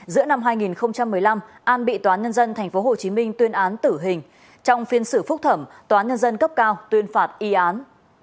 giữa năm hai nghìn một mươi năm an bị tnth tp hcm tuyên án tử hình trong phiên xử phúc thẩm tnth cấp cao tuyên phạt y án